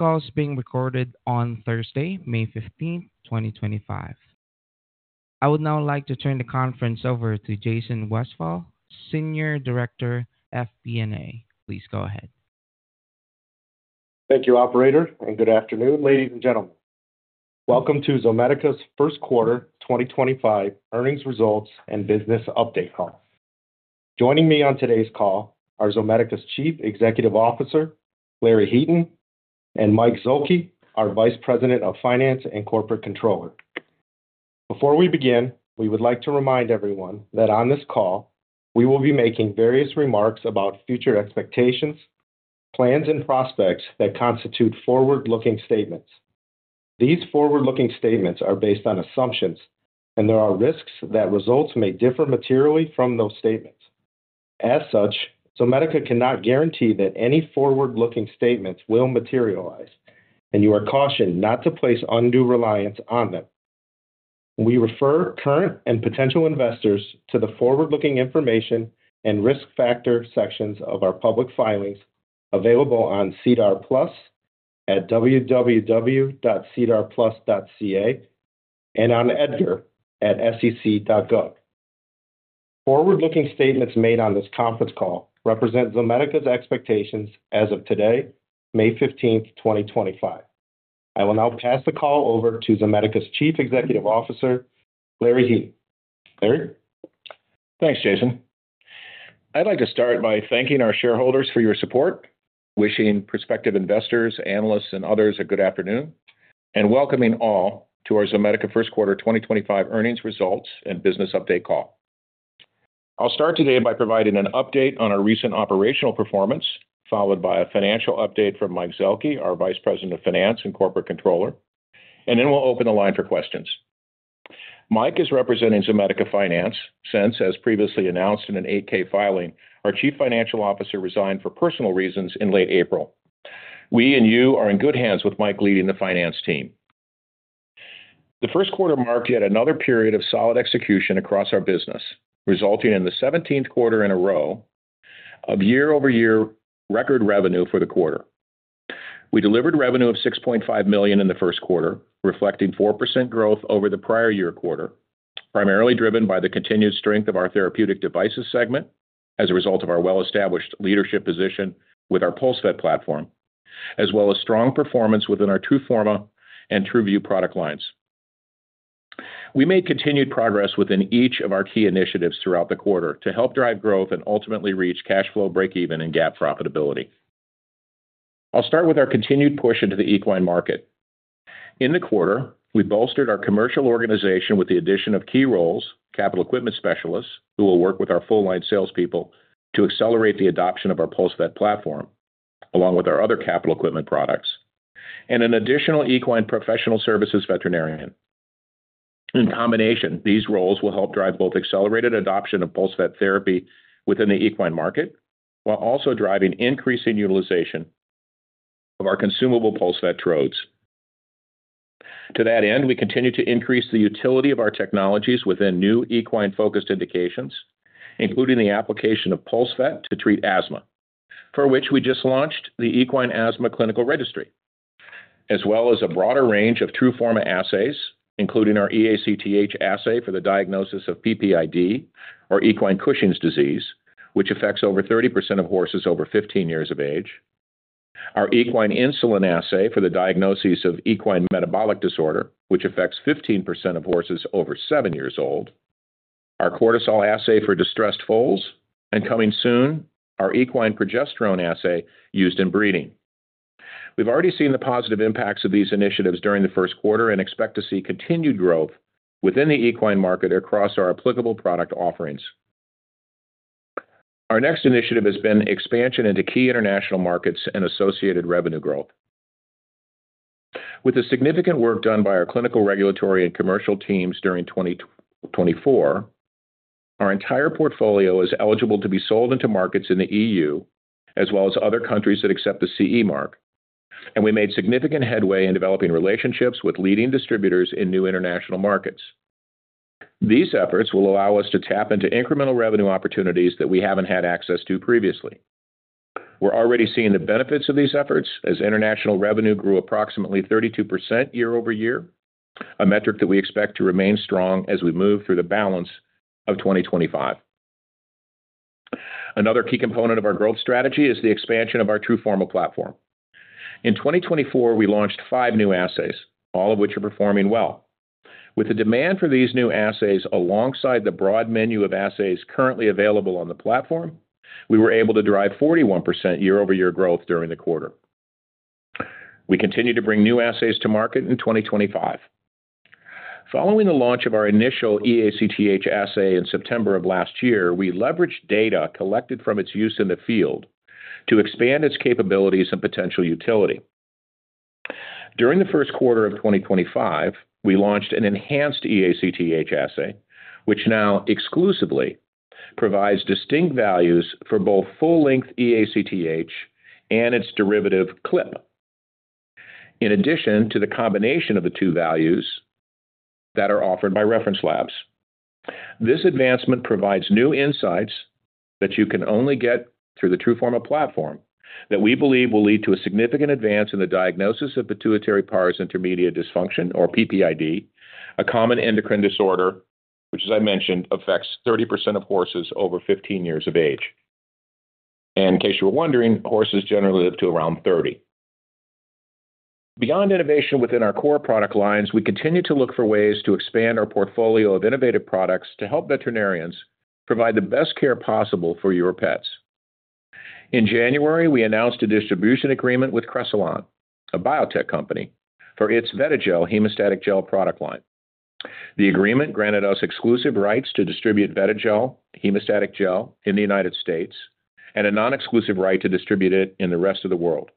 is being recorded on Thursday, May 15, 2025. I would now like to turn the conference over to Jason Westfall, Senior Director, FP&A. Please go ahead. Thank you, Operator, and good afternoon, ladies and gentlemen. Welcome to Zomedica's First Quarter 2025 Earnings Results and Business Update call. Joining me on today's call are Zomedica's Chief Executive Officer, Larry Heaton, and Mike Zielke, our Vice President of Finance and Corporate Controller. Before we begin, we would like to remind everyone that on this call, we will be making various remarks about future expectations, plans, and prospects that constitute forward-looking statements. These forward-looking statements are based on assumptions, and there are risks that results may differ materially from those statements. As such, Zomedica cannot guarantee that any forward-looking statements will materialize, and you are cautioned not to place undue reliance on them. We refer current and potential investors to the forward-looking information and risk factor sections of our public filings available on Cedar Plus at www.cedarplus.ca and on Edgar@sec.gov. Forward-looking statements made on this conference call represent Zomedica's expectations as of today, May 15, 2025. I will now pass the call over to Zomedica's Chief Executive Officer, Larry Heaton. Larry? Thanks, Jason. I'd like to start by thanking our shareholders for your support, wishing prospective investors, analysts, and others a good afternoon, and welcoming all to our Zomedica First Quarter 2025 Earnings Results and Business Update call. I'll start today by providing an update on our recent operational performance, followed by a financial update from Mike Zielke, our Vice President of Finance and Corporate Controller, and then we'll open the line for questions. Mike is representing Zomedica Finance since, as previously announced in an 8-K filing, our Chief Financial Officer resigned for personal reasons in late April. We and you are in good hands with Mike leading the finance team. The first quarter marked yet another period of solid execution across our business, resulting in the 17th quarter in a row of year-over-year record revenue for the quarter. We delivered revenue of 6.5 million in the first quarter, reflecting 4% growth over the prior year quarter, primarily driven by the continued strength of our therapeutic devices segment as a result of our well-established leadership position with our PulseVet platform, as well as strong performance within our Truforma and Truview product lines. We made continued progress within each of our key initiatives throughout the quarter to help drive growth and ultimately reach cash flow break-even and GAAP profitability. I'll start with our continued push into the equine market. In the quarter, we bolstered our commercial organization with the addition of key roles, capital equipment specialists, who will work with our full-line salespeople to accelerate the adoption of our PulseVet platform, along with our other capital equipment products, and an additional equine professional services veterinarian. In combination, these roles will help drive both accelerated adoption of PulseVet therapy within the equine market while also driving increasing utilization of our consumable PulseVet TRODES. To that end, we continue to increase the utility of our technologies within new equine-focused indications, including the application of PulseVet to treat asthma, for which we just launched the Equine Asthma Clinical Registry, as well as a broader range of Truforma assays, including our EACTH assay for the diagnosis of PPID, or Equine Cushing's Disease, which affects over 30% of horses over 15 years of age, our Equine Insulin Assay for the diagnoses of Equine Metabolic Disorder, which affects 15% of horses over 7 years old, our Cortisol Assay for Distressed Foals, and coming soon, our Equine Progesterone Assay used in breeding. We've already seen the positive impacts of these initiatives during the first quarter and expect to see continued growth within the equine market across our applicable product offerings. Our next initiative has been expansion into key international markets and associated revenue growth. With the significant work done by our clinical, regulatory, and commercial teams during 2024, our entire portfolio is eligible to be sold into markets in the EU, as well as other countries that accept the CE mark, and we made significant headway in developing relationships with leading distributors in new international markets. These efforts will allow us to tap into incremental revenue opportunities that we haven't had access to previously. We're already seeing the benefits of these efforts as international revenue grew approximately 32% year-over-year, a metric that we expect to remain strong as we move through the balance of 2025. Another key component of our growth strategy is the expansion of our Truforma platform. In 2024, we launched five new assays, all of which are performing well. With the demand for these new assays alongside the broad menu of assays currently available on the platform, we were able to drive 41% year-over-year growth during the quarter. We continue to bring new assays to market in 2025. Following the launch of our initial EACTH assay in September of last year, we leveraged data collected from its use in the field to expand its capabilities and potential utility. During the first quarter of 2025, we launched an enhanced EACTH assay, which now exclusively provides distinct values for both full-length EACTH and its derivative CLIP, in addition to the combination of the two values that are offered by Reference Labs. This advancement provides new insights that you can only get through the Truforma platform that we believe will lead to a significant advance in the diagnosis of Pituitary Pars Intermediate Dysfunction, or PPID, a common endocrine disorder, which, as I mentioned, affects 30% of horses over 15 years of age. In case you were wondering, horses generally live to around 30. Beyond innovation within our core product lines, we continue to look for ways to expand our portfolio of innovative products to help veterinarians provide the best care possible for your pets. In January, we announced a distribution agreement with Cressilon, a biotech company, for its Vetagel hemostatic gel product line. The agreement granted us exclusive rights to distribute Vetagel hemostatic gel in the United States and a non-exclusive right to distribute it in the rest of the world.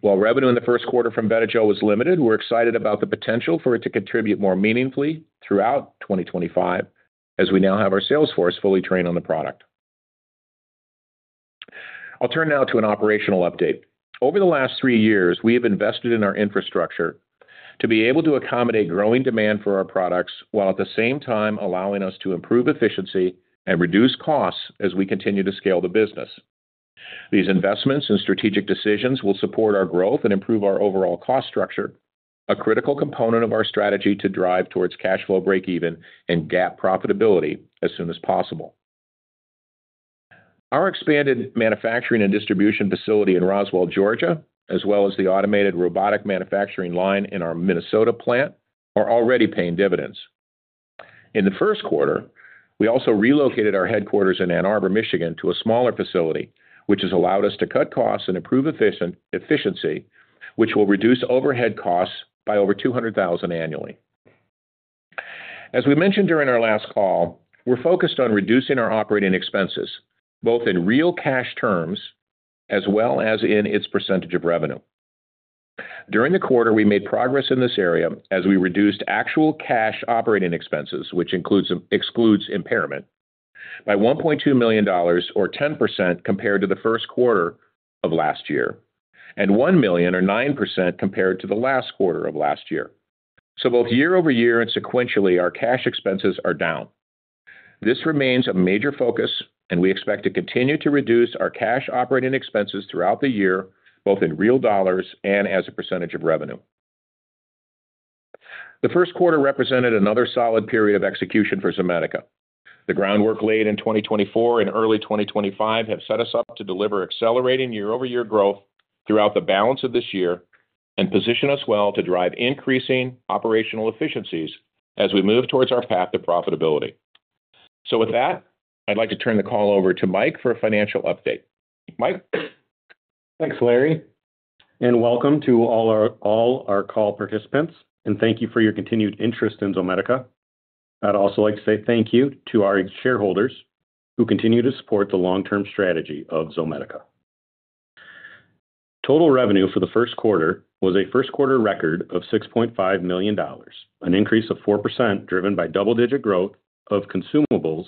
While revenue in the first quarter from Vetagel was limited, we're excited about the potential for it to contribute more meaningfully throughout 2025 as we now have our salesforce fully trained on the product. I'll turn now to an operational update. Over the last three years, we have invested in our infrastructure to be able to accommodate growing demand for our products while at the same time allowing us to improve efficiency and reduce costs as we continue to scale the business. These investments and strategic decisions will support our growth and improve our overall cost structure, a critical component of our strategy to drive towards cash flow break-even and GAAP profitability as soon as possible. Our expanded manufacturing and distribution facility in Roswell, Georgia, as well as the automated robotic manufacturing line in our Minnesota plant, are already paying dividends. In the first quarter, we also relocated our headquarters in Ann Arbor, Michigan, to a smaller facility, which has allowed us to cut costs and improve efficiency, which will reduce overhead costs by over 200,000 annually. As we mentioned during our last call, we're focused on reducing our operating expenses, both in real cash terms as well as in its percentage of revenue. During the quarter, we made progress in this area as we reduced actual cash operating expenses, which excludes impairment, by $1.2 million, or 10% compared to the first quarter of last year, and 1 million, or 9% compared to the last quarter of last year. Both year-over-year and sequentially, our cash expenses are down. This remains a major focus, and we expect to continue to reduce our cash operating expenses throughout the year, both in real dollars and as a percentage of revenue. The first quarter represented another solid period of execution for Zomedica. The groundwork laid in 2024 and early 2025 have set us up to deliver accelerating year-over-year growth throughout the balance of this year and position us well to drive increasing operational efficiencies as we move towards our path to profitability. With that, I'd like to turn the call over to Mike for a financial update. Mike. Thanks, Larry, and welcome to all our call participants, and thank you for your continued interest in Zomedica. I'd also like to say thank you to our shareholders who continue to support the long-term strategy of Zomedica. Total revenue for the first quarter was a first-quarter record of $6.5 million, an increase of 4% driven by double-digit growth of consumables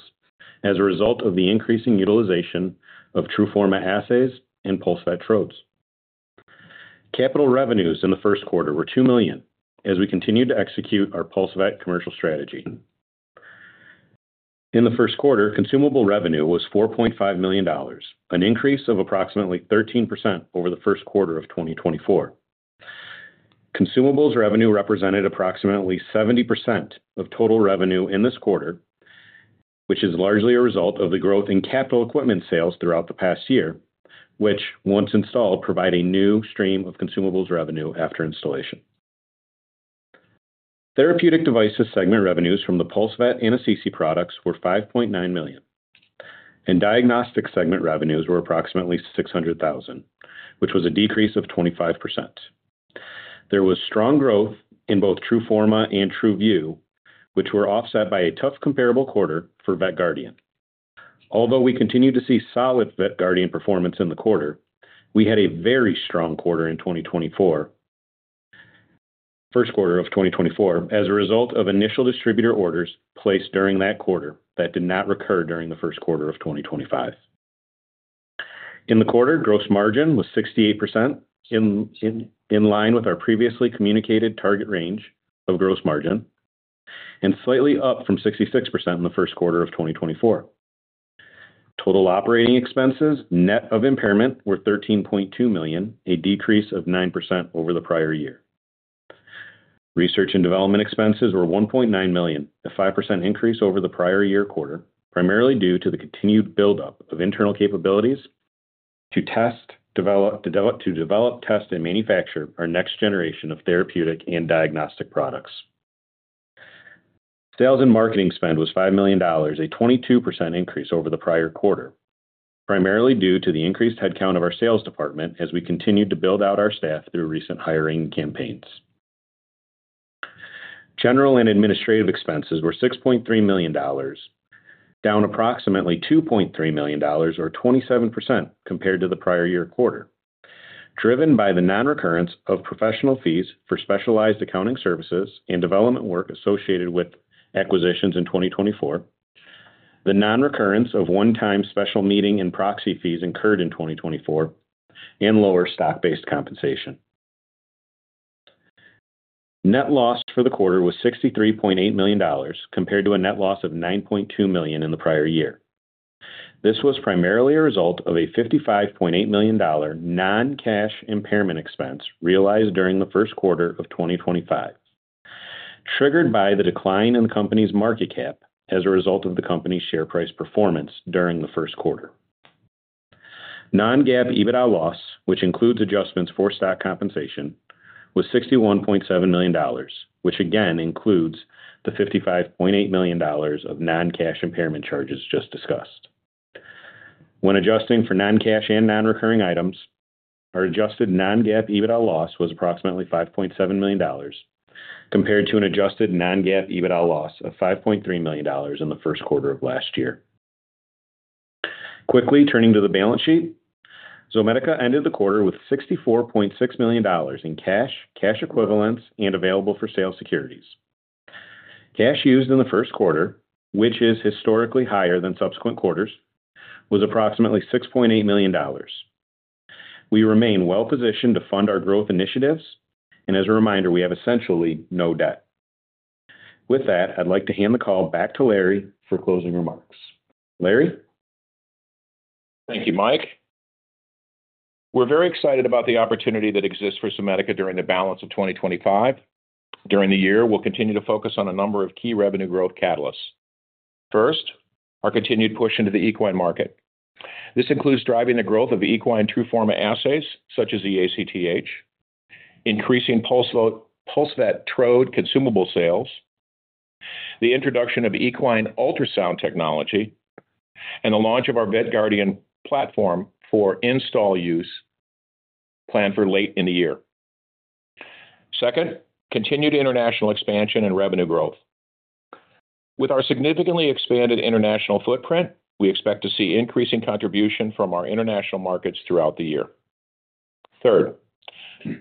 as a result of the increasing utilization of Truforma assays and PulseVet TRODES. Capital revenues in the first quarter were 2 million as we continued to execute our PulseVet commercial strategy. In the first quarter, consumable revenue was $4.5 million, an increase of approximately 13% over the first quarter of 2024. Consumables revenue represented approximately 70% of total revenue in this quarter, which is largely a result of the growth in capital equipment sales throughout the past year, which, once installed, provide a new stream of consumables revenue after installation. Therapeutic devices segment revenues from the PulseVet and ACC products were 5.9 million, and diagnostic segment revenues were approximately 600,000, which was a decrease of 25%. There was strong growth in both Truforma and Truview, which were offset by a tough comparable quarter for VetGuardian. Although we continued to see solid VetGuardian performance in the quarter, we had a very strong quarter in 2024, first quarter of 2024, as a result of initial distributor orders placed during that quarter that did not recur during the first quarter of 2025. In the quarter, gross margin was 68%, in line with our previously communicated target range of gross margin, and slightly up from 66% in the first quarter of 2024. Total operating expenses net of impairment wer $13.2 million, a decrease of 9% over the prior year. Research and development expenses were 1.9 million, a 5% increase over the prior year quarter, primarily due to the continued buildup of internal capabilities to develop, test, and manufacture our next generation of therapeutic and diagnostic products. Sales and marketing spend was $5 million, a 22% increase over the prior quarter, primarily due to the increased headcount of our sales department as we continued to build out our staff through recent hiring campaigns. General and administrative expenses were $6.3 million, down approximately $2.3 million, or 27% compared to the prior year quarter, driven by the non-recurrence of professional fees for specialized accounting services and development work associated with acquisitions in 2024, the non-recurrence of one-time special meeting and proxy fees incurred in 2024, and lower stock-based compensation. Net loss for the quarter was $63.8 million, compared to a net loss of $9.2 million in the prior year. This was primarily a result of a $55.8 million non-cash impairment expense realized during the first quarter of 2025, triggered by the decline in the company's market cap as a result of the company's share price performance during the first quarter. Non-GAAP EBITDA loss, which includes adjustments for stock compensation, was $61.7 million, which again includes the $55.8 million of non-cash impairment charges just discussed. When adjusting for non-cash and non-recurring items, our adjusted non-GAAP EBITDA loss was approximately $5.7 million, compared to an adjusted non-GAAP EBITDA loss of $5.3 million in the first quarter of last year. Quickly turning to the balance sheet, Zomedica ended the quarter with $64.6 million in cash, cash equivalents, and available for sale securities. Cash used in the first quarter, which is historically higher than subsequent quarters, was approximately $6.8 million. We remain well-positioned to fund our growth initiatives, and as a reminder, we have essentially no debt. With that, I'd like to hand the call back to Larry for closing remarks. Larry? Thank you, Mike. We're very excited about the opportunity that exists for Zomedica during the balance of 2025. During the year, we'll continue to focus on a number of key revenue growth catalysts. First, our continued push into the equine market. This includes driving the growth of equine Truforma assays, such as EACTH, increasing PulseVet TRODE consumable sales, the introduction of equine ultrasound technology, and the launch of our VetGuardian platform for install use planned for late in the year. Second, continued international expansion and revenue growth. With our significantly expanded international footprint, we expect to see increasing contribution from our international markets throughout the year. Third,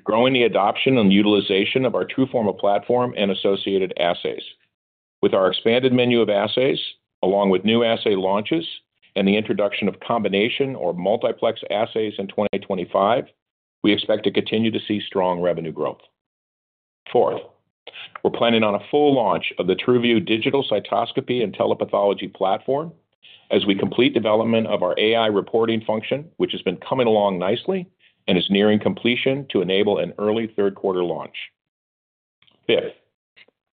growing the adoption and utilization of our Truforma platform and associated assays. With our expanded menu of assays, along with new assay launches and the introduction of combination or multiplex assays in 2025, we expect to continue to see strong revenue growth. Fourth, we're planning on a full launch of the Truview digital cytoscopy and telepathology platform as we complete development of our AI reporting function, which has been coming along nicely and is nearing completion to enable an early third-quarter launch. Fifth,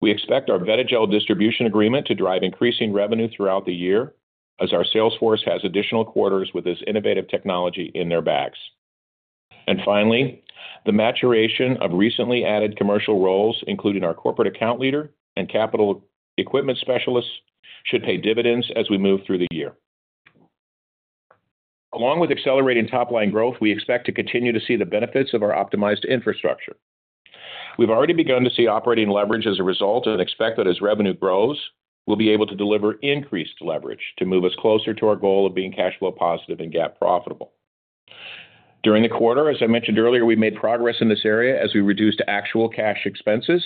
we expect our Vetagel distribution agreement to drive increasing revenue throughout the year as our salesforce has additional quarters with this innovative technology in their bags. Finally, the maturation of recently added commercial roles, including our corporate account leader and capital equipment specialists, should pay dividends as we move through the year. Along with accelerating top-line growth, we expect to continue to see the benefits of our optimized infrastructure. We've already begun to see operating leverage as a result, and expect that as revenue grows, we'll be able to deliver increased leverage to move us closer to our goal of being cash flow positive and GAAP profitable. During the quarter, as I mentioned earlier, we made progress in this area as we reduced actual cash expenses,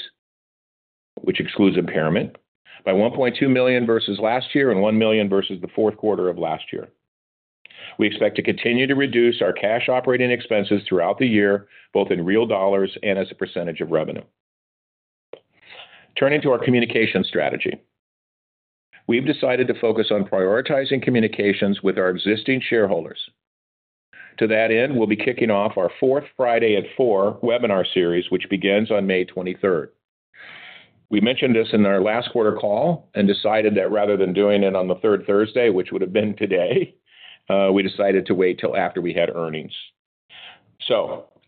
which excludes impairment, by 1.2 million versus last year and 1 million versus the fourth quarter of last year. We expect to continue to reduce our cash operating expenses throughout the year, both in real dollars and as a percentage of revenue. Turning to our communication strategy, we've decided to focus on prioritizing communications with our existing shareholders. To that end, we'll be kicking off our fourth Friday at 4:00 P.M. webinar series, which begins on May 23rd. We mentioned this in our last quarter call and decided that rather than doing it on the third Thursday, which would have been today, we decided to wait till after we had earnings.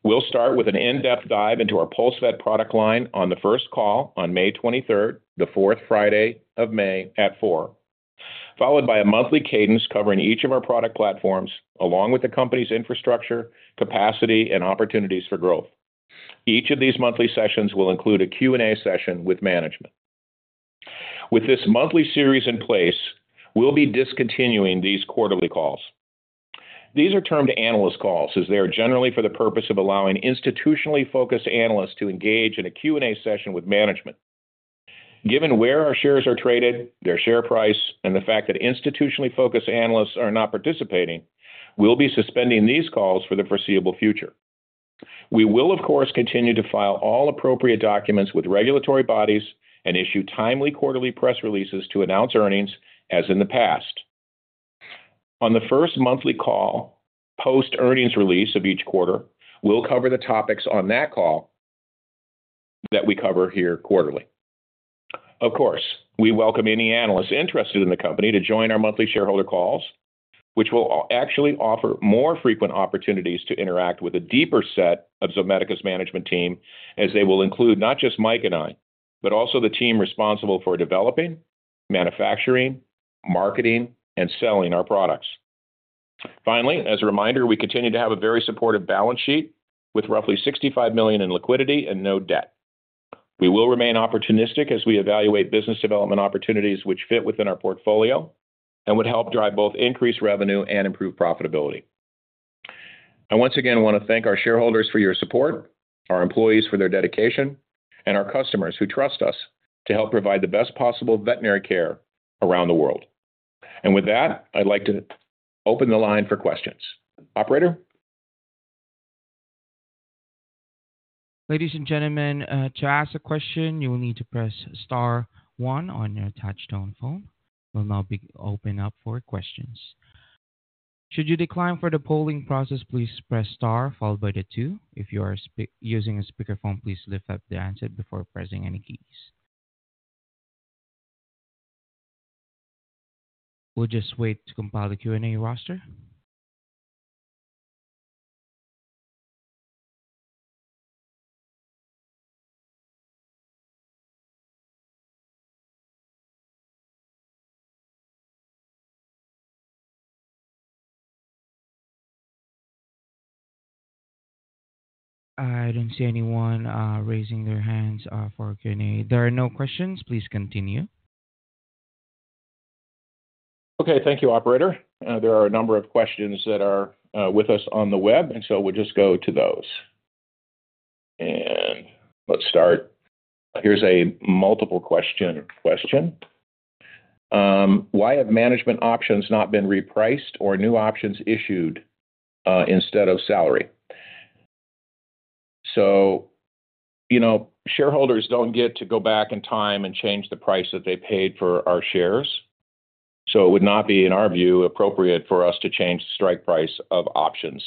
We'll start with an in-depth dive into our PulseVet product line on the first call on May 23rd, the fourth Friday of May at 4:00 P.M., followed by a monthly cadence covering each of our product platforms along with the company's infrastructure, capacity, and opportunities for growth. Each of these monthly sessions will include a Q&A session with management. With this monthly series in place, we'll be discontinuing these quarterly calls. These are termed analyst calls as they are generally for the purpose of allowing institutionally focused analysts to engage in a Q&A session with management. Given where our shares are traded, their share price, and the fact that institutionally focused analysts are not participating, we'll be suspending these calls for the foreseeable future. We will, of course, continue to file all appropriate documents with regulatory bodies and issue timely quarterly press releases to announce earnings as in the past. On the first monthly call, post-earnings release of each quarter, we'll cover the topics on that call that we cover here quarterly. Of course, we welcome any analysts interested in the company to join our monthly shareholder calls, which will actually offer more frequent opportunities to interact with a deeper set of Zomedica's management team as they will include not just Mike and I, but also the team responsible for developing, manufacturing, marketing, and selling our products. Finally, as a reminder, we continue to have a very supportive balance sheet with roughly 65 million in liquidity and no debt. We will remain opportunistic as we evaluate business development opportunities which fit within our portfolio and would help drive both increased revenue and improved profitability. I once again want to thank our shareholders for your support, our employees for their dedication, and our customers who trust us to help provide the best possible veterinary care around the world. With that, I'd like to open the line for questions. Operator? Ladies and gentlemen, to ask a question, you will need to press star one on your touch-tone phone. We'll now open up for questions. Should you decline for the polling process, please press star followed by the 2. If you are using a speakerphone, please lift up the handset before pressing any keys. We'll just wait to compile the Q&A roster. I don't see anyone raising their hands for Q&A. There are no questions. Please continue. Okay. Thank you, Operator. There are a number of questions that are with us on the web, and we will just go to those. Let's start. Here is a multiple-question question. Why have management options not been repriced or new options issued instead of salary? Shareholders do not get to go back in time and change the price that they paid for our shares. It would not be, in our view, appropriate for us to change the strike price of options.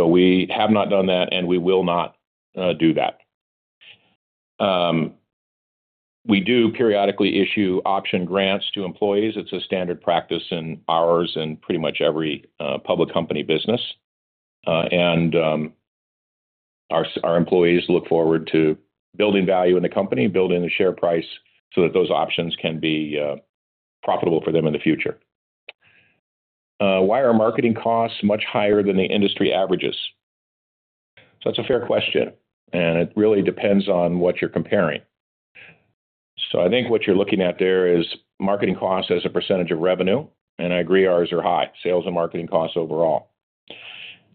We have not done that, and we will not do that. We do periodically issue option grants to employees. It is a standard practice in ours and pretty much every public company business. Our employees look forward to building value in the company, building the share price so that those options can be profitable for them in the future. Why are marketing costs much higher than the industry averages? That's a fair question, and it really depends on what you're comparing. I think what you're looking at there is marketing costs as a percentage of revenue, and I agree ours are high, sales and marketing costs overall.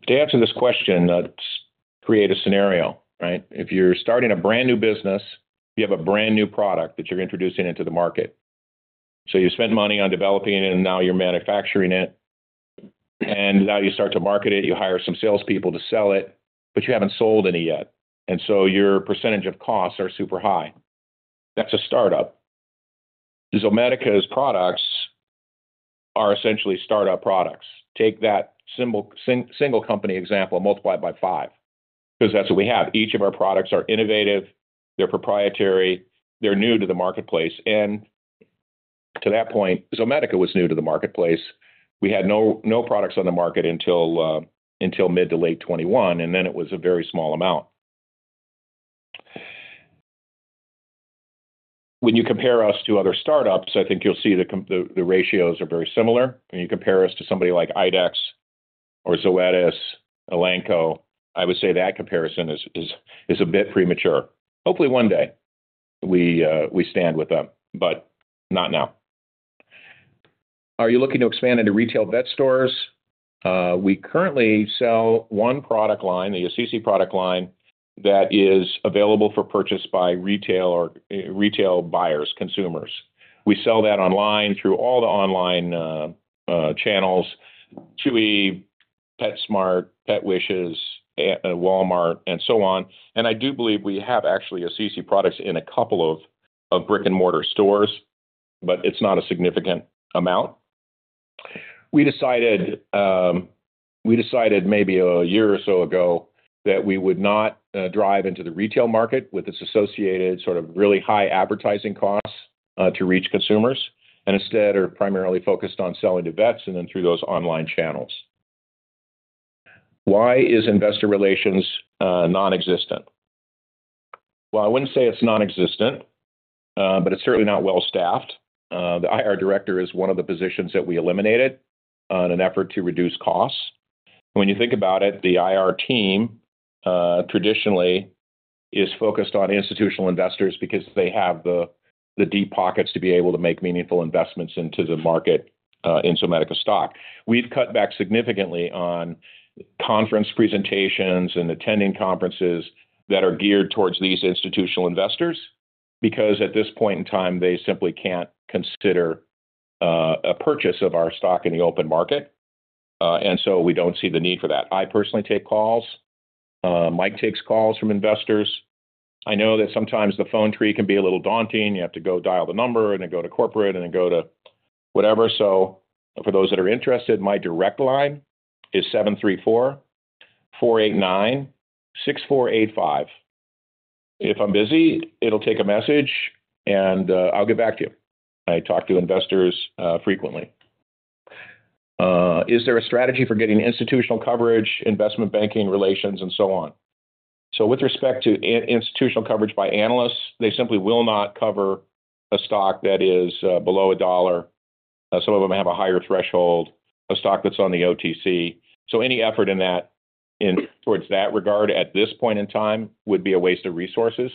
To answer this question, let's create a scenario, right? If you're starting a brand new business, you have a brand new product that you're introducing into the market. You spent money on developing it, and now you're manufacturing it. Now you start to market it. You hire some salespeople to sell it, but you haven't sold any yet. Your percentage of costs are super high. That's a startup. Zomedica's products are essentially startup products. Take that single company example, multiply it by five because that's what we have. Each of our products are innovative. They're proprietary. They're new to the marketplace. To that point, Zomedica was new to the marketplace. We had no products on the market until mid to late 2021, and then it was a very small amount. When you compare us to other startups, I think you'll see the ratios are very similar. When you compare us to somebody like Idexx or Zoetis, Elanco, I would say that comparison is a bit premature. Hopefully, one day we stand with them, but not now. Are you looking to expand into retail vet stores? We currently sell one product line, the ACC product line that is available for purchase by retail buyers, consumers. We sell that online through all the online channels: Chewy, PetSmart, Pet Wishes, Walmart, and so on. I do believe we have actually ACC products in a couple of brick-and-mortar stores, but it's not a significant amount. We decided maybe a year or so ago that we would not drive into the retail market with its associated sort of really high advertising costs to reach consumers and instead are primarily focused on selling to vets and then through those online channels. Why is investor relations nonexistent? I would not say it's nonexistent, but it's certainly not well-staffed. The IR director is one of the positions that we eliminated in an effort to reduce costs. When you think about it, the IR team traditionally is focused on institutional investors because they have the deep pockets to be able to make meaningful investments into the market in Zomedica stock. We've cut back significantly on conference presentations and attending conferences that are geared towards these institutional investors because at this point in time, they simply can't consider a purchase of our stock in the open market. We do not see the need for that. I personally take calls. Mike takes calls from investors. I know that sometimes the phone tree can be a little daunting. You have to dial the number and then go to corporate and then go to whatever. For those that are interested, my direct line is 734-489-6485. If I am busy, it will take a message, and I will get back to you. I talk to investors frequently. Is there a strategy for getting institutional coverage, investment banking relations, and so on? With respect to institutional coverage by analysts, they simply will not cover a stock that is below $1. Some of them have a higher threshold, a stock that is on the OTC. Any effort in that regard at this point in time would be a waste of resources.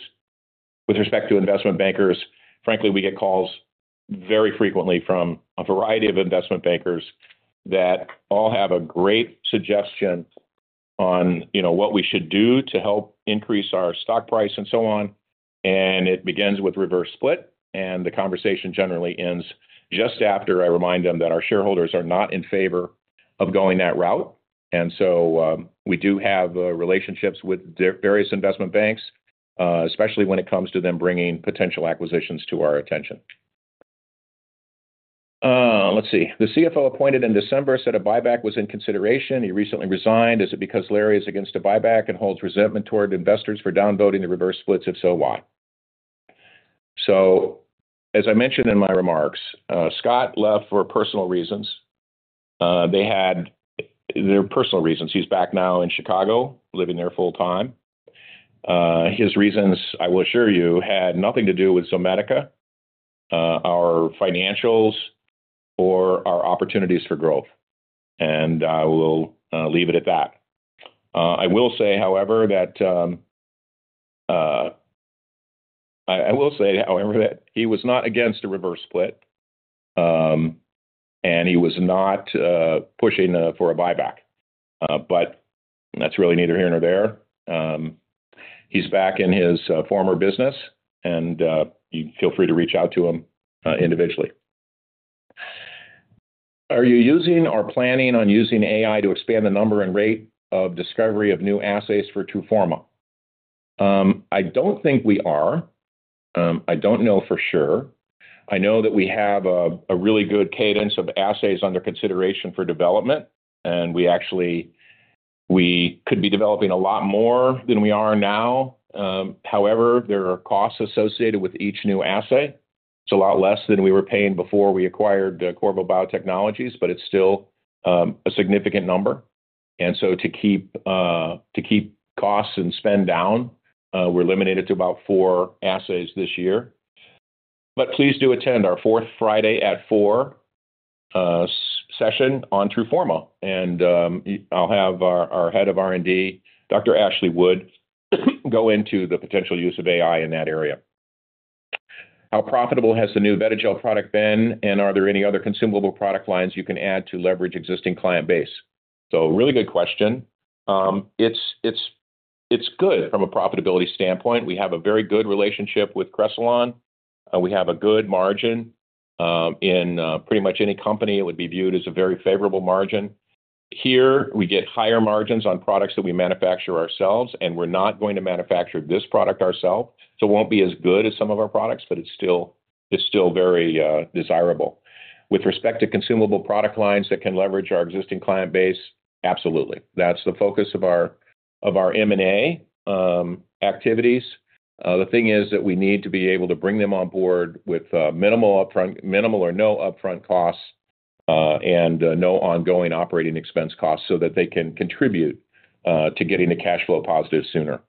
With respect to investment bankers, frankly, we get calls very frequently from a variety of investment bankers that all have a great suggestion on what we should do to help increase our stock price and so on. It begins with reverse split, and the conversation generally ends just after I remind them that our shareholders are not in favor of going that route. We do have relationships with various investment banks, especially when it comes to them bringing potential acquisitions to our attention. Let's see. The CFO appointed in December said a buyback was in consideration. He recently resigned. Is it because Larry is against a buyback and holds resentment toward investors for downvoting the reverse splits? If so, why? As I mentioned in my remarks, Scott left for personal reasons. They had their personal reasons. He's back now in Chicago living there full time. His reasons, I will assure you, had nothing to do with Zomedica, our financials, or our opportunities for growth. I will leave it at that. I will say, however, that he was not against a reverse split, and he was not pushing for a buyback. That is really neither here nor there. He is back in his former business, and you feel free to reach out to him individually. Are you using or planning on using AI to expand the number and rate of discovery of new assets for Truforma? I do not think we are. I do not know for sure. I know that we have a really good cadence of assets under consideration for development, and we actually could be developing a lot more than we are now. However, there are costs associated with each new asset. It's a lot less than we were paying before we acquired Corvo Biotechnologies, but it's still a significant number. To keep costs and spend down, we're limiting it to about four assets this year. Please do attend our fourth Friday at 4:00 P.M. session on Truforma, and I'll have our Head of R&D, Dr. Ashley Wood, go into the potential use of AI in that area. How profitable has the new Vetagel product been, and are there any other consumable product lines you can add to leverage existing client base? Really good question. It's good from a profitability standpoint. We have a very good relationship with Cressilon. We have a good margin; in pretty much any company, it would be viewed as a very favorable margin. Here, we get higher margins on products that we manufacture ourselves, and we're not going to manufacture this product ourselves. It won't be as good as some of our products, but it's still very desirable. With respect to consumable product lines that can leverage our existing client base, absolutely. That's the focus of our M&A activities. The thing is that we need to be able to bring them on board with minimal or no upfront costs and no ongoing operating expense costs so that they can contribute to getting the cash flow positive sooner.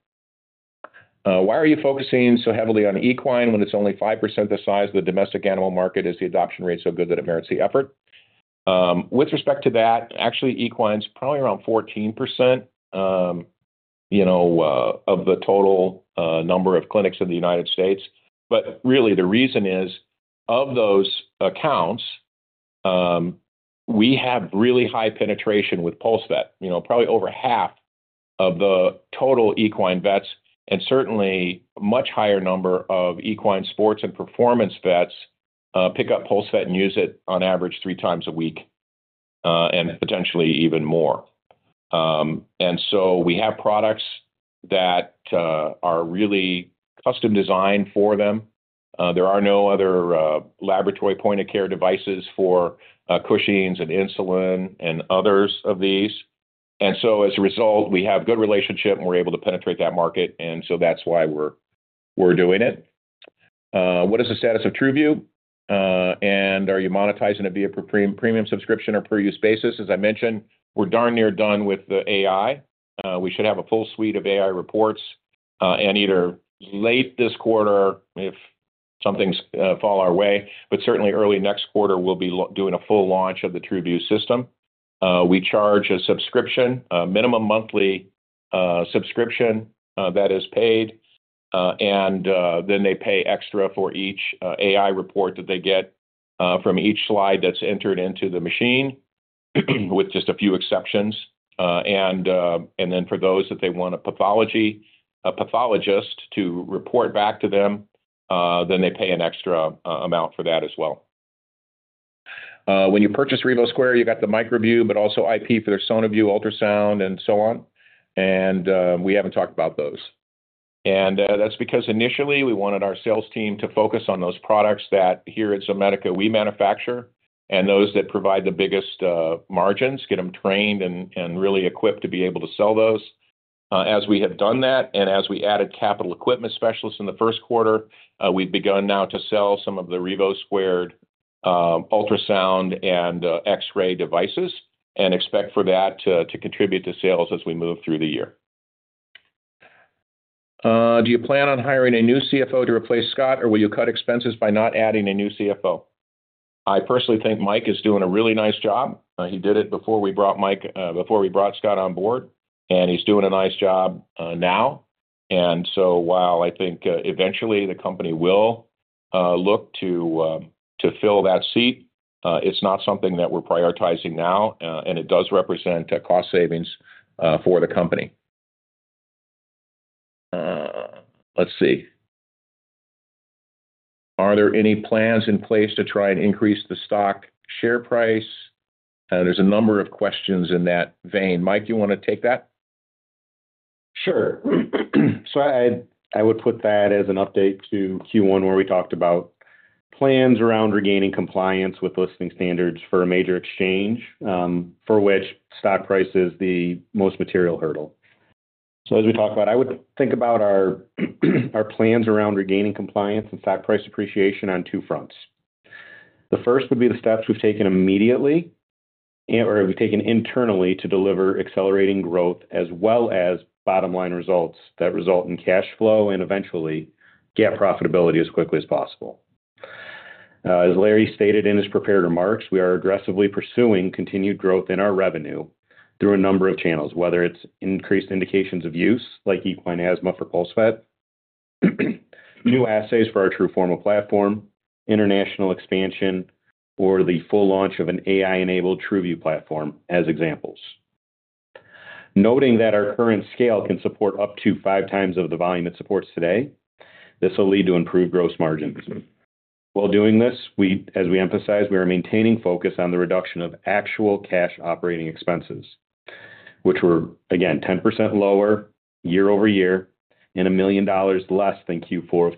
Why are you focusing so heavily on equine when it's only 5% the size of the domestic animal market? Is the adoption rate so good that it merits the effort? With respect to that, actually, equine's probably around 14% of the total number of clinics in the United States. Really, the reason is of those accounts, we have really high penetration with PulseVet. Probably over half of the total equine vets, and certainly a much higher number of equine sports and performance vets pick up PulseVet and use it on average three times a week and potentially even more. We have products that are really custom-designed for them. There are no other laboratory point-of-care devices for Cushings and insulin and others of these. As a result, we have a good relationship, and we're able to penetrate that market. That is why we're doing it. What is the status of Truview? Are you monetizing it via premium subscription or per-use basis? As I mentioned, we're darn near done with the AI. We should have a full suite of AI reports and either late this quarter if something's fallen our way, but certainly early next quarter, we'll be doing a full launch of the Truview system. We charge a subscription, a minimum monthly subscription that is paid, and then they pay extra for each AI report that they get from each slide that's entered into the machine with just a few exceptions. For those that they want a pathologist to report back to them, they pay an extra amount for that as well. When you purchase RevoSquare, you got the MicroView, but also IP for their Sonoview ultrasound and so on. We haven't talked about those. That is because initially, we wanted our sales team to focus on those products that here at Zomedica, we manufacture and those that provide the biggest margins, get them trained and really equipped to be able to sell those. As we have done that and as we added capital equipment specialists in the first quarter, we've begun now to sell some of the RevoSquare ultrasound and X-ray devices and expect for that to contribute to sales as we move through the year. Do you plan on hiring a new CFO to replace Scott, or will you cut expenses by not adding a new CFO? I personally think Mike is doing a really nice job. He did it before we brought Mike before we brought Scott on board, and he's doing a nice job now. While I think eventually the company will look to fill that seat, it's not something that we're prioritizing now, and it does represent cost savings for the company. Let's see. Are there any plans in place to try and increase the stock share price? There's a number of questions in that vein. Mike, do you want to take that? Sure. I would put that as an update to Q1 where we talked about plans around regaining compliance with listing standards for a major exchange for which stock price is the most material hurdle. As we talk about it, I would think about our plans around regaining compliance and stock price appreciation on two fronts. The first would be the steps we have taken immediately or we have taken internally to deliver accelerating growth as well as bottom-line results that result in cash flow and eventually get profitability as quickly as possible. As Larry stated in his prepared remarks, we are aggressively pursuing continued growth in our revenue through a number of channels, whether it is increased indications of use like equine asthma for PulseVet, new assets for our Truforma platform, international expansion, or the full launch of an AI-enabled Truview platform as examples. Noting that our current scale can support up to five times the volume it supports today, this will lead to improved gross margins. While doing this, as we emphasize, we are maintaining focus on the reduction of actual cash operating expenses, which were, again, 10% lower year over year and $1 million less than Q4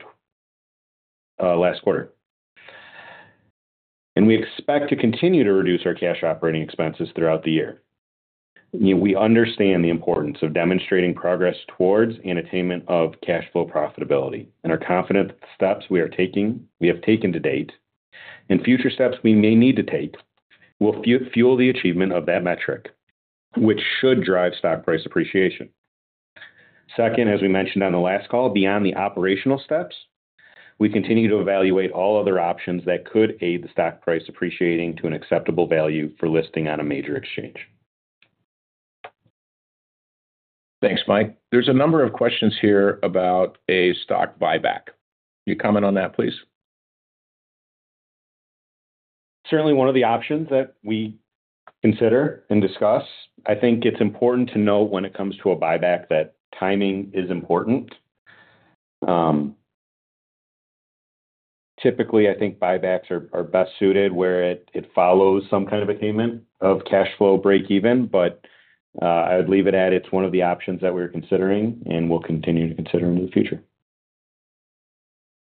of last quarter. We expect to continue to reduce our cash operating expenses throughout the year. We understand the importance of demonstrating progress towards an attainment of cash flow profitability and are confident that the steps we have taken to date and future steps we may need to take will fuel the achievement of that metric, which should drive stock price appreciation. Second, as we mentioned on the last call, beyond the operational steps, we continue to evaluate all other options that could aid the stock price appreciating to an acceptable value for listing on a major exchange. Thanks, Mike. There are a number of questions here about a stock buyback. Can you comment on that, please? Certainly one of the options that we consider and discuss. I think it is important to know when it comes to a buyback that timing is important. Typically, I think buybacks are best suited where it follows some kind of attainment of cash flow break-even, but I would leave it at it is one of the options that we are considering and we will continue to consider in the future.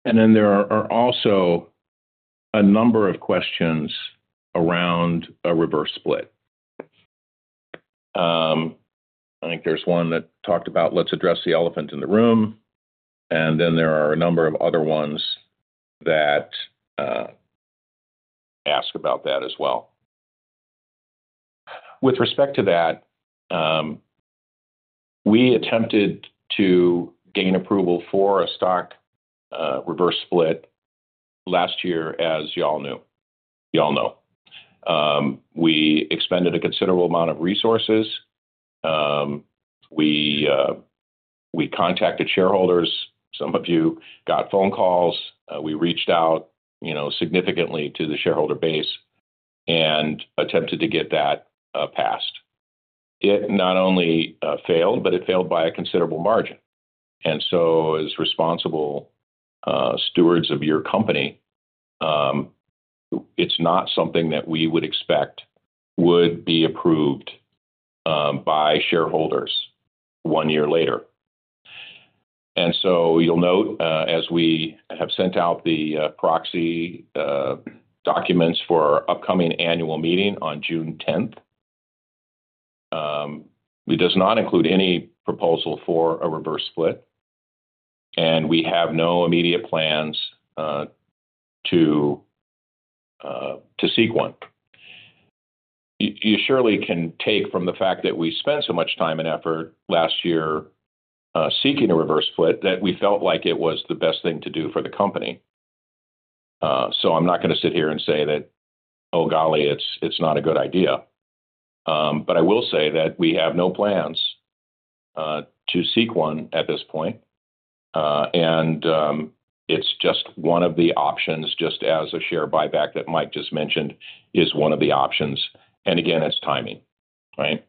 There are also a number of questions around a reverse split. I think there's one that talked about, "Let's address the elephant in the room," and then there are a number of other ones that ask about that as well. With respect to that, we attempted to gain approval for a stock reverse split last year, as y'all know. We expended a considerable amount of resources. We contacted shareholders. Some of you got phone calls. We reached out significantly to the shareholder base and attempted to get that passed. It not only failed, but it failed by a considerable margin. As responsible stewards of your company, it's not something that we would expect would be approved by shareholders one year later. You will note as we have sent out the proxy documents for our upcoming annual meeting on June 10th, it does not include any proposal for a reverse split, and we have no immediate plans to seek one. You surely can take from the fact that we spent so much time and effort last year seeking a reverse split that we felt like it was the best thing to do for the company. I am not going to sit here and say that, "Oh, golly, it is not a good idea." I will say that we have no plans to seek one at this point, and it is just one of the options just as a share buyback that Mike just mentioned is one of the options. Again, it is timing, right?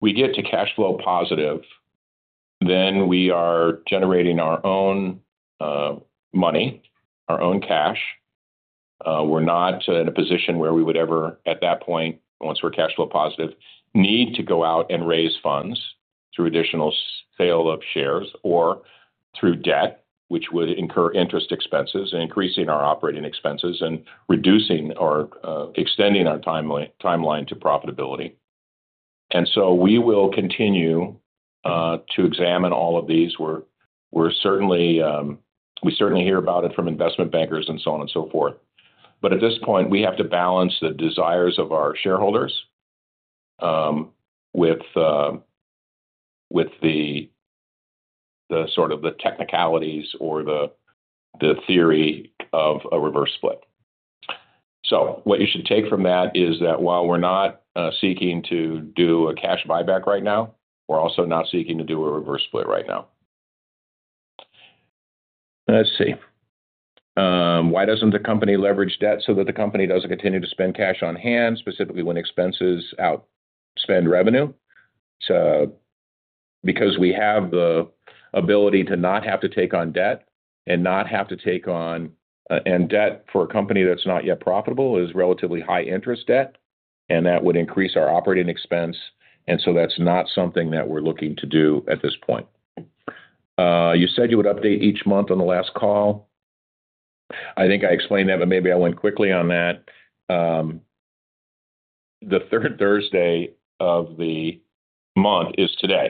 We get to cash flow positive, then we are generating our own money, our own cash. We're not in a position where we would ever, at that point, once we're cash flow positive, need to go out and raise funds through additional sale of shares or through debt, which would incur interest expenses and increase our operating expenses and extend our timeline to profitability. We will continue to examine all of these. We certainly hear about it from investment bankers and so on and so forth. At this point, we have to balance the desires of our shareholders with the sort of the technicalities or the theory of a reverse split. What you should take from that is that while we're not seeking to do a cash buyback right now, we're also not seeking to do a reverse split right now. Let's see. Why doesn't the company leverage debt so that the company doesn't continue to spend cash on hand, specifically when expenses outspend revenue? Because we have the ability to not have to take on debt and not have to take on. Debt for a company that's not yet profitable is relatively high-interest debt, and that would increase our operating expense. That is not something that we're looking to do at this point. You said you would update each month on the last call. I think I explained that, but maybe I went quickly on that. The third Thursday of the month is today.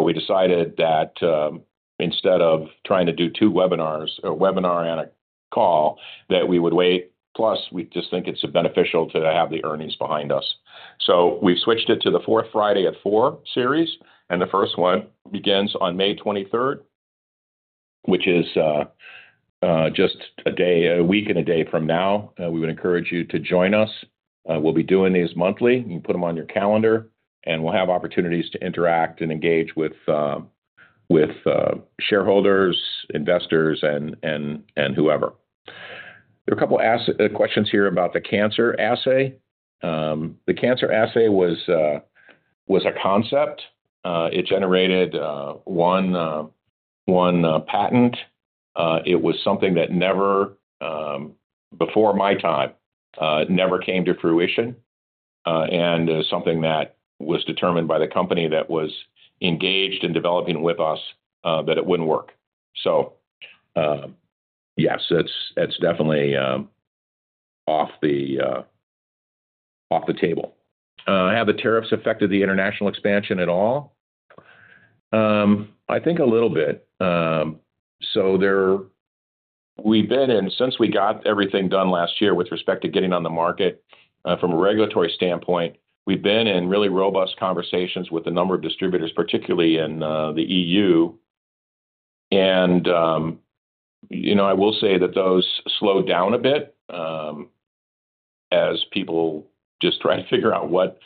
We decided that instead of trying to do two webinars or a webinar and a call, that we would wait. Plus, we just think it's beneficial to have the earnings behind us. We've switched it to the fourth Friday at 4:00 series, and the first one begins on May 23rd, which is just a week and a day from now. We would encourage you to join us. We'll be doing these monthly. You can put them on your calendar, and we'll have opportunities to interact and engage with shareholders, investors, and whoever. There are a couple of questions here about the cancer assay. The cancer assay was a concept. It generated one patent. It was something that never before my time never came to fruition and something that was determined by the company that was engaged in developing with us that it wouldn't work. Yes, it's definitely off the table. Have the tariffs affected the international expansion at all? I think a little bit. We've been in since we got everything done last year with respect to getting on the market from a regulatory standpoint, we've been in really robust conversations with a number of distributors, particularly in the EU. I will say that those slowed down a bit as people just tried to figure out what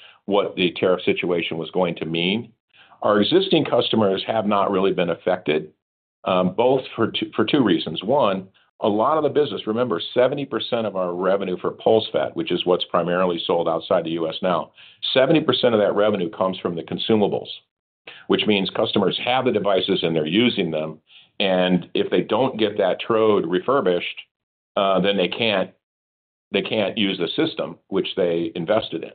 the tariff situation was going to mean. Our existing customers have not really been affected, both for two reasons. One, a lot of the business, remember, 70% of our revenue for PulseVet, which is what's primarily sold outside the US now, 70% of that revenue comes from the consumables, which means customers have the devices and they're using them. If they don't get that TRODE refurbished, then they can't use the system, which they invested in.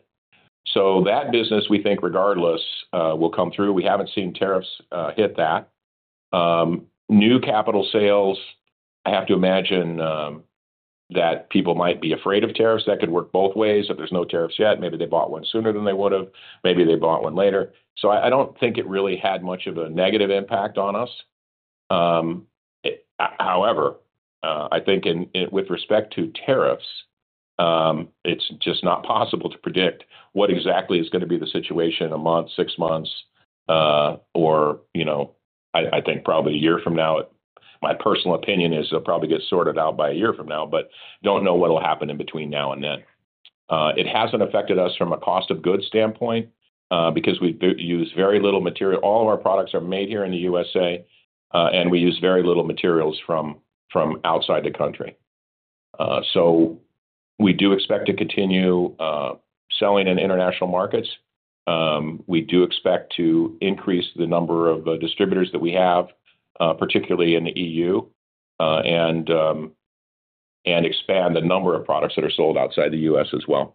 That business, we think regardless, will come through. We haven't seen tariffs hit that. New capital sales, I have to imagine that people might be afraid of tariffs. That could work both ways. If there's no tariffs yet, maybe they bought one sooner than they would have. Maybe they bought one later. I don't think it really had much of a negative impact on us. However, I think with respect to tariffs, it's just not possible to predict what exactly is going to be the situation in a month, six months, or I think probably a year from now. My personal opinion is it'll probably get sorted out by a year from now, but don't know what will happen in between now and then. It hasn't affected us from a cost of goods standpoint because we use very little material. All of our products are made here in the U.S., and we use very little materials from outside the country. We do expect to continue selling in international markets. We do expect to increase the number of distributors that we have, particularly in the EU, and expand the number of products that are sold outside the US as well.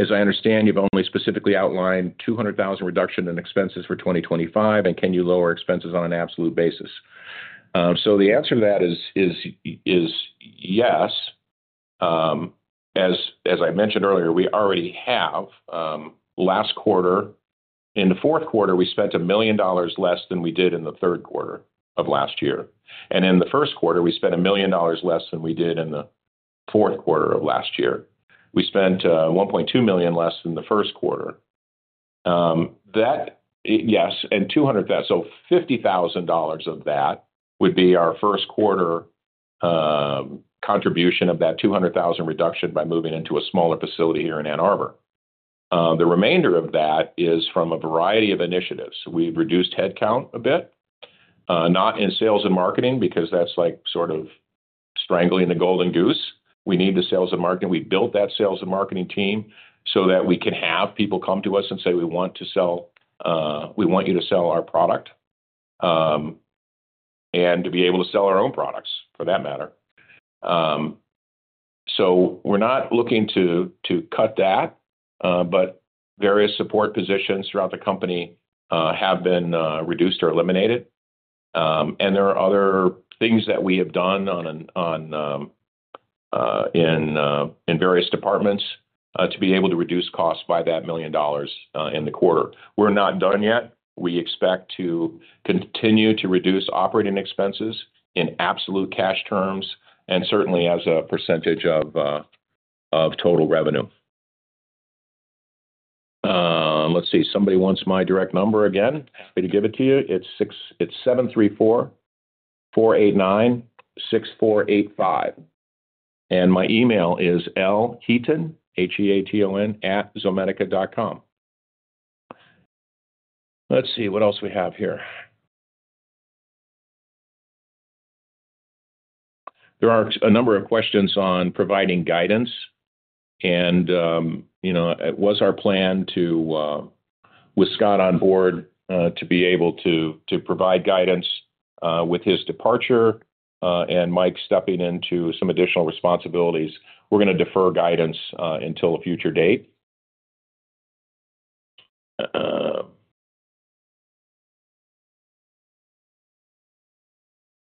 As I understand, you've only specifically outlined $200,000 reduction in expenses for 2025, and can you lower expenses on an absolute basis? The answer to that is yes. As I mentioned earlier, we already have last quarter. In the fourth quarter, we spent $1 million less than we did in the third quarter of last year. In the first quarter, we spent $1 million less than we did in the fourth quarter of last year. We spent $1.2 million less than the first quarter. Yes. $200,000, so $50,000 of that would be our first quarter contribution of that $200,000 reduction by moving into a smaller facility here in Ann Arbor. The remainder of that is from a variety of initiatives. We've reduced headcount a bit, not in sales and marketing because that's like sort of strangling the golden goose. We need the sales and marketing. We built that sales and marketing team so that we can have people come to us and say, "We want to sell. We want you to sell our product and to be able to sell our own products for that matter." We're not looking to cut that, but various support positions throughout the company have been reduced or eliminated. There are other things that we have done in various departments to be able to reduce costs by that $1 million in the quarter. We're not done yet. We expect to continue to reduce operating expenses in absolute cash terms and certainly as a percentage of total revenue. Let's see. Somebody wants my direct number again. Happy to give it to you. It's 734-489-6485. And my email is lheaton, H-E-A-T-O-N, at zomedica.com. Let's see what else we have here. There are a number of questions on providing guidance. It was our plan with Scott on board to be able to provide guidance. With his departure and Mike stepping into some additional responsibilities, we're going to defer guidance until a future date.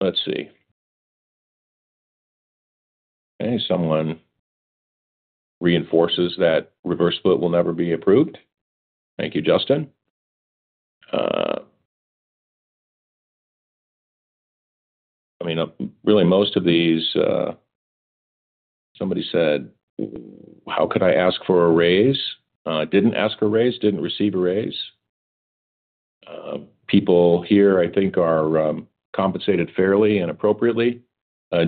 Let's see. Okay. Someone reinforces that reverse split will never be approved. Thank you, Justin. I mean, really, most of these, somebody said, "How could I ask for a raise?" Didn't ask a raise, didn't receive a raise. People here, I think, are compensated fairly and appropriately.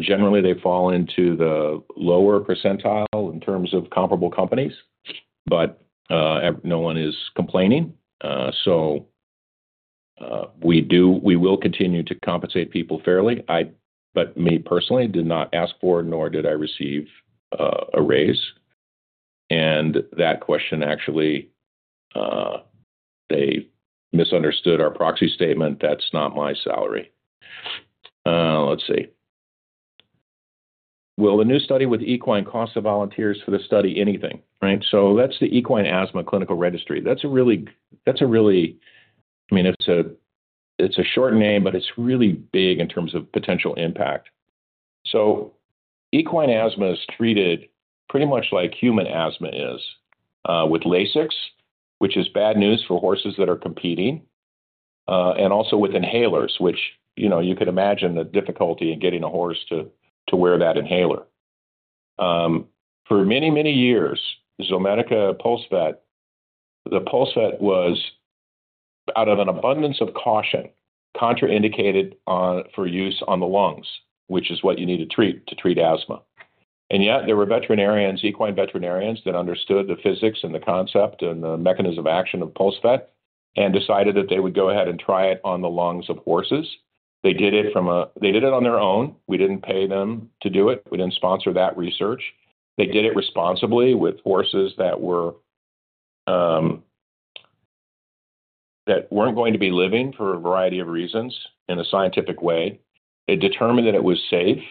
Generally, they fall into the lower percentile in terms of comparable companies, but no one is complaining. We will continue to compensate people fairly. Me personally, I did not ask for it, nor did I receive a raise. That question, actually, they misunderstood our proxy statement. That is not my salary. Let's see. Will the new study with equine costs of volunteers for the study anything? Right. That is the Equine Asthma Clinical Registry. That is a really—I mean, it is a short name, but it is really big in terms of potential impact. Equine asthma is treated pretty much like human asthma is with Lasix, which is bad news for horses that are competing, and also with inhalers, which you could imagine the difficulty in getting a horse to wear that inhaler. For many, many years, Zomedica PulseVet, the PulseVet was, out of an abundance of caution, contraindicated for use on the lungs, which is what you need to treat to treat asthma. Yet there were equine veterinarians that understood the physics and the concept and the mechanism of action of PulseVet and decided that they would go ahead and try it on the lungs of horses. They did it on their own. We did not pay them to do it. We did not sponsor that research. They did it responsibly with horses that were not going to be living for a variety of reasons in a scientific way. It determined that it was safe,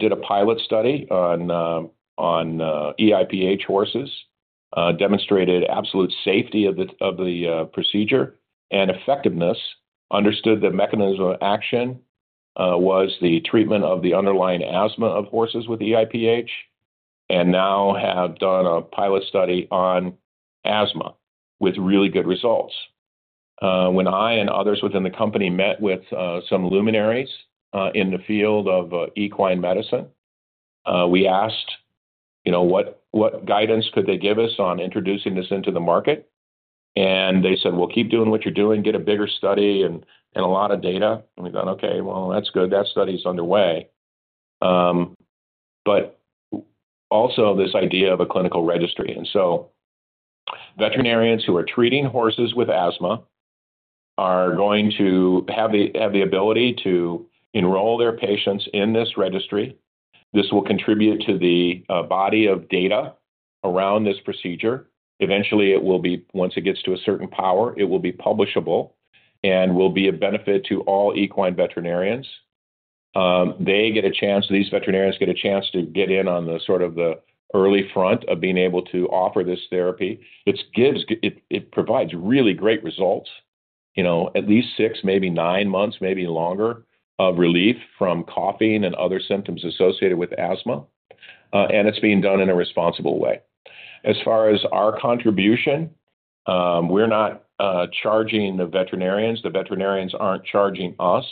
did a pilot study on EIPH horses, demonstrated absolute safety of the procedure and effectiveness, understood the mechanism of action was the treatment of the underlying asthma of horses with EIPH, and now have done a pilot study on asthma with really good results. When I and others within the company met with some luminaries in the field of equine medicine, we asked what guidance could they give us on introducing this into the market. They said, "Keep doing what you're doing. Get a bigger study and a lot of data." We thought, "Okay. That study is underway." Also, this idea of a clinical registry. Veterinarians who are treating horses with asthma are going to have the ability to enroll their patients in this registry. This will contribute to the body of data around this procedure. Eventually, once it gets to a certain power, it will be publishable and will be a benefit to all equine veterinarians. They get a chance—these veterinarians get a chance to get in on the sort of the early front of being able to offer this therapy. It provides really great results, at least six, maybe nine months, maybe longer of relief from coughing and other symptoms associated with asthma. It is being done in a responsible way. As far as our contribution, we are not charging the veterinarians. The veterinarians are not charging us.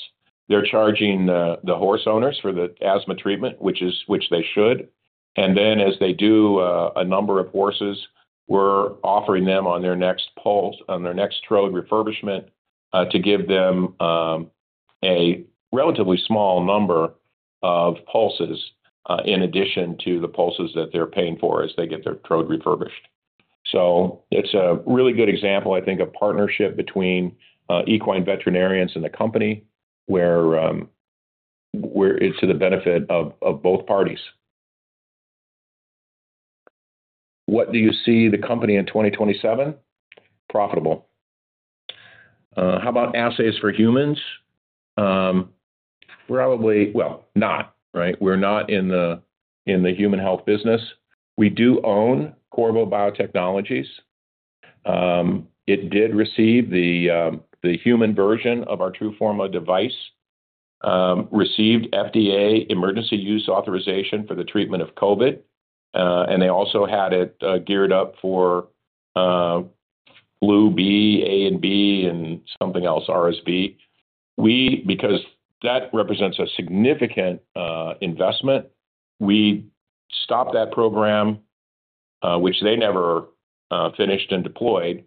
They are charging the horse owners for the asthma treatment, which they should. As they do a number of horses, we're offering them on their next Trode refurbishment to give them a relatively small number of pulses in addition to the pulses that they're paying for as they get their Trode refurbished. It is a really good example, I think, of partnership between equine veterinarians and the company where it is to the benefit of both parties. What do you see the company in 2027? Profitable. How about assays for humans? Not, right? We're not in the human health business. We do own Corvo Biotechnologies. It did receive the human version of our Truforma device, received FDA emergency use authorization for the treatment of COVID. They also had it geared up for flu A and B, and something else, RSV. Because that represents a significant investment, we stopped that program, which they never finished and deployed.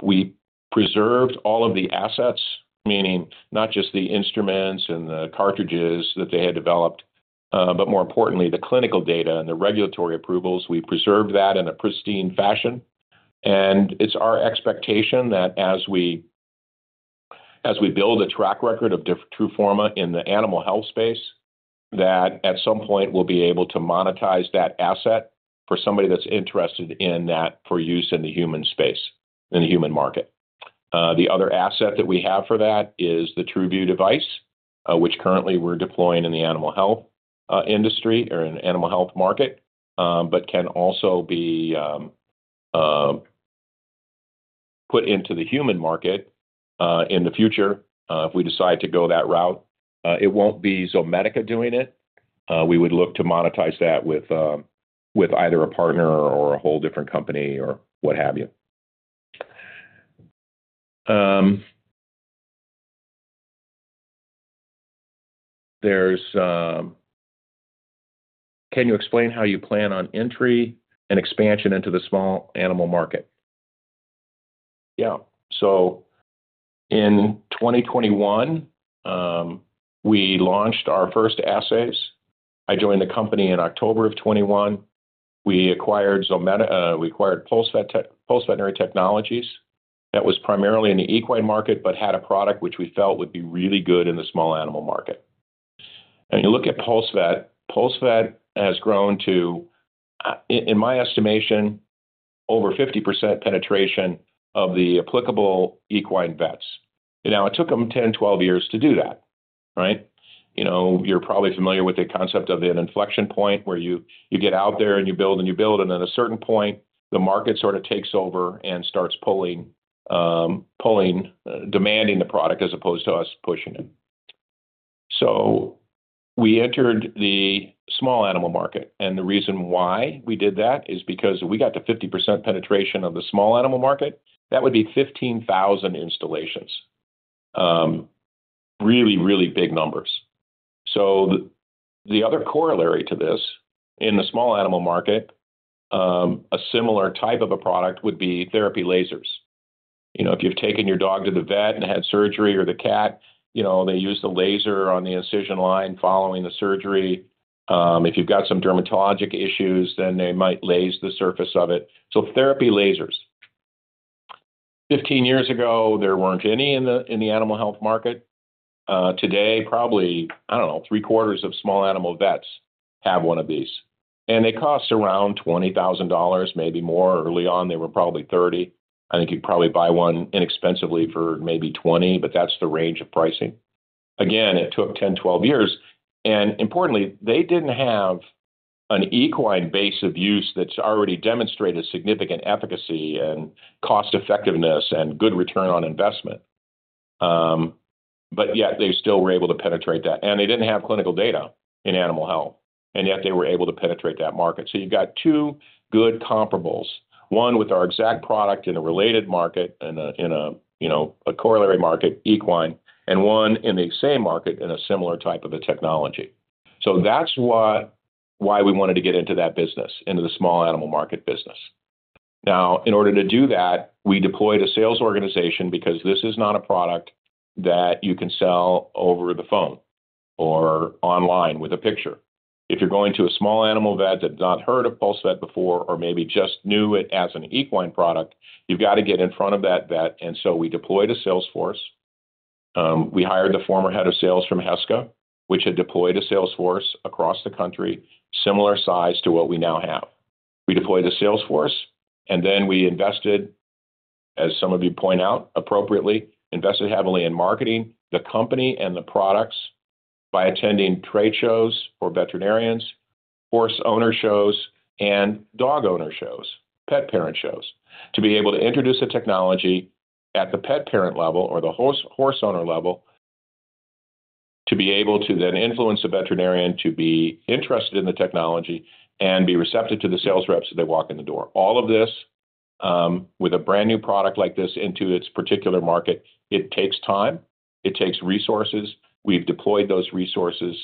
We preserved all of the assets, meaning not just the instruments and the cartridges that they had developed, but more importantly, the clinical data and the regulatory approvals. We preserved that in a pristine fashion. It is our expectation that as we build a track record of Truforma in the animal health space, that at some point we will be able to monetize that asset for somebody that is interested in that for use in the human space, in the human market. The other asset that we have for that is the Truview device, which currently we are deploying in the animal health industry or in the animal health market, but can also be put into the human market in the future if we decide to go that route. It will not be Zomedica doing it. We would look to monetize that with either a partner or a whole different company or what have you. Can you explain how you plan on entry and expansion into the small animal market? Yeah. In 2021, we launched our first assays. I joined the company in October of 2021. We acquired PulseVet, PulseVeterinary Technologies. That was primarily in the equine market, but had a product which we felt would be really good in the small animal market. You look at PulseVet, PulseVet has grown to, in my estimation, over 50% penetration of the applicable equine vets. It took them 10-12 years to do that, right? You're probably familiar with the concept of an inflection point where you get out there and you build and you build, and at a certain point, the market sort of takes over and starts pulling, demanding the product as opposed to us pushing it. We entered the small animal market. The reason why we did that is because if we got to 50% penetration of the small animal market, that would be 15,000 installations. Really, really big numbers. The other corollary to this, in the small animal market, a similar type of a product would be therapy lasers. If you've taken your dog to the vet and had surgery or the cat, they use the laser on the incision line following the surgery. If you've got some dermatologic issues, then they might lase the surface of it. Therapy lasers. Fifteen years ago, there weren't any in the animal health market. Today, probably, I don't know, three-quarters of small animal vets have one of these. And they cost around $20,000, maybe more. Early on, they were probably $30,000. I think you'd probably buy one inexpensively for maybe $20,000, but that's the range of pricing. Again, it took 10-12 years. Importantly, they didn't have an equine base of use that's already demonstrated significant efficacy and cost-effectiveness and good return on investment. Yet, they still were able to penetrate that. They didn't have clinical data in animal health. Yet, they were able to penetrate that market. You have two good comparables, one with our exact product in a related market, in a corollary market, equine, and one in the same market in a similar type of a technology. That's why we wanted to get into that business, into the small animal market business. Now, in order to do that, we deployed a sales organization because this is not a product that you can sell over the phone or online with a picture. If you're going to a small animal vet that's not heard of PulseVet before or maybe just knew it as an equine product, you've got to get in front of that vet. We deployed a Salesforce. We hired the former head of sales from Heska, which had deployed a Salesforce across the country, similar size to what we now have. We deployed a Salesforce. We invested, as some of you point out appropriately, invested heavily in marketing the company and the products by attending trade shows for veterinarians, horse owner shows, and dog owner shows, pet parent shows, to be able to introduce a technology at the pet parent level or the horse owner level, to be able to then influence the veterinarian to be interested in the technology and be receptive to the sales reps as they walk in the door. All of this with a brand new product like this into its particular market, it takes time. It takes resources. We've deployed those resources.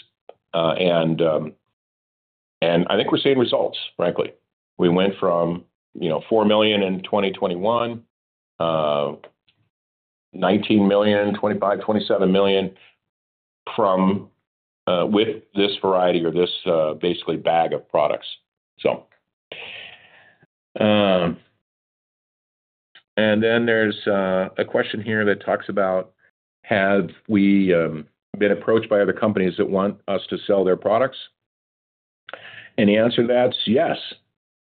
I think we're seeing results, frankly. We went from $4 million in 2021, $19 million, $25 million, $27 million with this variety or this basically bag of products, so. There is a question here that talks about, "Have we been approached by other companies that want us to sell their products?" The answer to that is yes,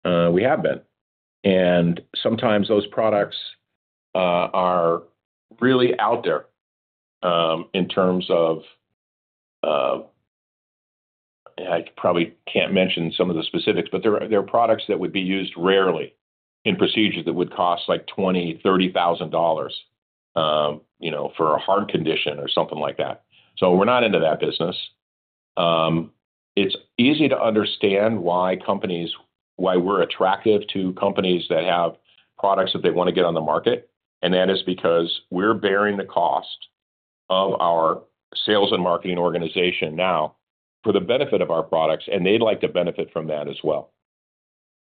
we have been. Sometimes those products are really out there in terms of—I probably cannot mention some of the specifics, but there are products that would be used rarely in procedures that would cost like $20,000-$30,000 for a heart condition or something like that. We are not into that business. It is easy to understand why we are attractive to companies that have products that they want to get on the market. That is because we are bearing the cost of our sales and marketing organization now for the benefit of our products. They would like to benefit from that as well.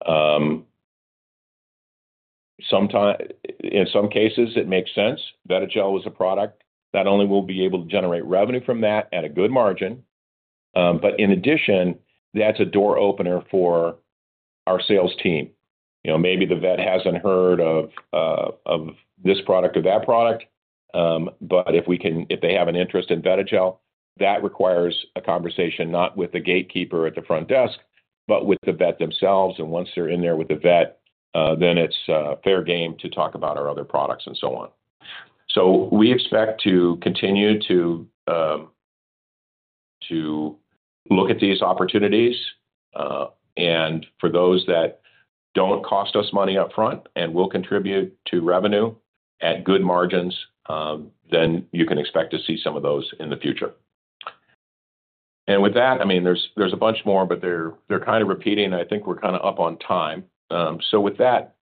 In some cases, it makes sense. Vetagel was a product that only will be able to generate revenue from that at a good margin. In addition, that's a door opener for our sales team. Maybe the vet hasn't heard of this product or that product. If they have an interest in Vetagel, that requires a conversation not with the gatekeeper at the front desk, but with the vet themselves. Once they're in there with the vet, then it's fair game to talk about our other products and so on. We expect to continue to look at these opportunities. For those that don't cost us money upfront and will contribute to revenue at good margins, you can expect to see some of those in the future. I mean, there's a bunch more, but they're kind of repeating. I think we're kind of up on time. With that,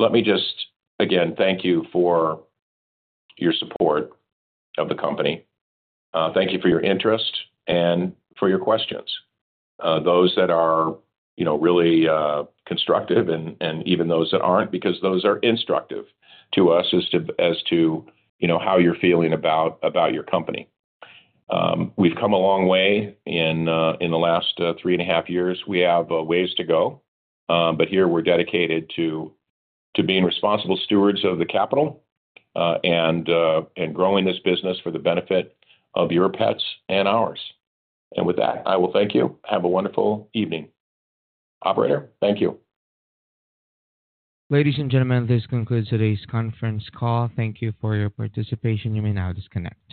let me just, again, thank you for your support of the company. Thank you for your interest and for your questions. Those that are really constructive and even those that are not because those are instructive to us as to how you are feeling about your company. We have come a long way in the last three and a half years. We have ways to go. Here, we are dedicated to being responsible stewards of the capital and growing this business for the benefit of your pets and ours. With that, I will thank you. Have a wonderful evening. Operator, thank you. Ladies and gentlemen, this concludes today's conference call. Thank you for your participation. You may now disconnect.